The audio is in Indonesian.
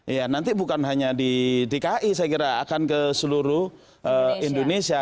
oleh karena itu nanti bukan hanya di dki saya kira akan ke seluruh indonesia